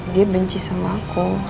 dia benci sama aku